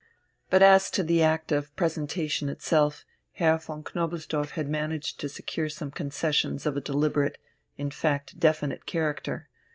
But as to the act of presentation itself, Herr von Knobelsdorff had managed to secure some concessions of a deliberate, in fact definite character.